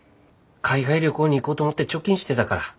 海外旅行に行こうと思って貯金してたから。